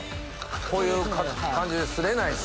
こういう感じですれないですもんね？